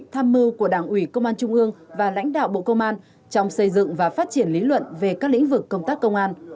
tham mưu của đảng ủy công an trung ương và lãnh đạo bộ công an trong xây dựng và phát triển lý luận về các lĩnh vực công tác công an